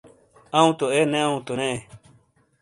اَوں تو اے نے اَوں تو نے اے۔